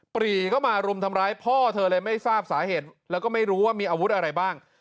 ปรีเข้ามารุมทำร้ายพ่อเธอเลยไม่ทราบสาเหตุแล้วก็ไม่รู้ว่ามีอาวุธอะไรบ้าง